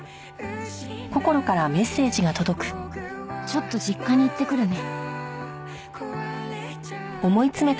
「ちょっと実家に行ってくるね」